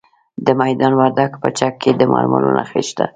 د میدان وردګو په چک کې د مرمرو نښې شته.